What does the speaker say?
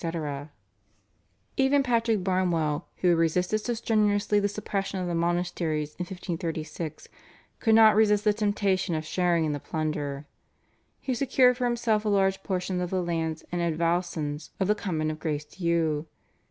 Even Patrick Barnewall, who had resisted so strenuously the suppression of the monasteries in 1536, could not resist the temptation of sharing in the plunder. He secured for himself a large portion of the lands and advowsons of the Convent of Grace Dieu.